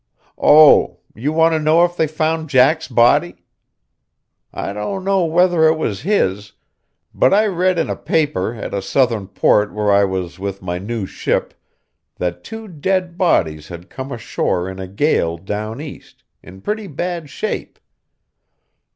Oh, you want to know if they found Jack's body? I don't know whether it was his, but I read in a paper at a Southern port where I was with my new ship that two dead bodies had come ashore in a gale down East, in pretty bad shape.